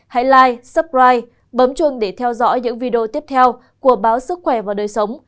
hãy like subscribe bấm chuông để theo dõi những video tiếp theo của báo sức khỏe và đời sống